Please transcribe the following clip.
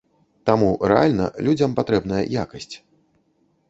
Таму рэальна людзям патрэбная якасць.